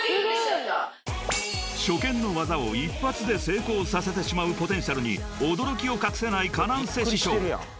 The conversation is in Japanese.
［初見の技を一発で成功させてしまうポテンシャルに驚きを隠せないＫａｎａｎｃＥ師匠］